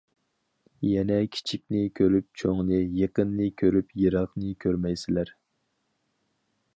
يەنى كىچىكنى كۆرۈپ چوڭنى، يېقىننى كۆرۈپ يىراقنى كۆرمەيسىلەر.